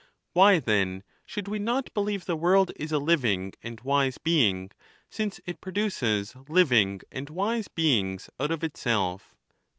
Why, then, should we not believe the world is a living and wise being, since it produces liv ing and wise beings out of itself